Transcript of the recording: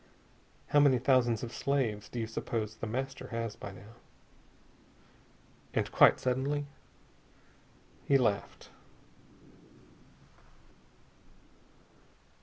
How many thousands of slaves do you suppose The Master has by now?" And, quite suddenly, he laughed.